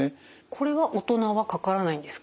これは大人はかからないんですか？